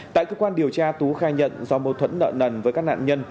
tại cơ quan điều tra tú khai nhận do mâu thuẫn nợ nần với các nạn nhân